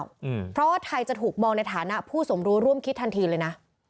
เพราะว่าไทยจะถูกมองในฐานะผู้สมรู้ร่วมคิดทันทีเลยนะ